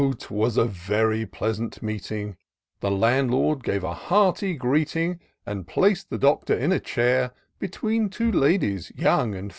'twas a very pleasant meeting : The Landlord gave a hearty greeting. And plac'd the Doctor in a chair, Between two ladies, young and fair.